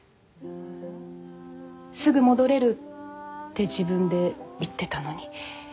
すぐ戻れるって自分で言ってたのに。